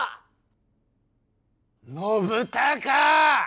信孝！